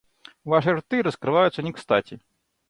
Ваши рты раскрываются некстати.